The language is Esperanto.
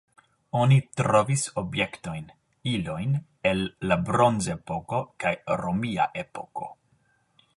Oni trovis objektojn, ilojn el la bronzepoko kaj romia epoko.